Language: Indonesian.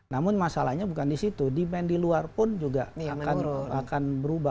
namun masalahnya bukan di situ demand di luar pun juga akan berubah